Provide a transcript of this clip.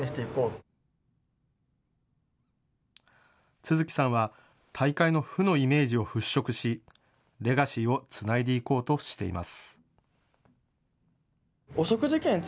都築さんは大会の負のイメージを払拭し、レガシーをつないでいこうとしています。